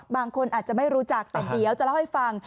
บางคนอาจจะไม่รู้จักแต่เดี๋ยวจะเล่าให้ฟัง